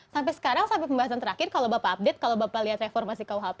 sampai sekarang sampai pembahasan terakhir kalau bapak update kalau bapak lihat reformasi kuhp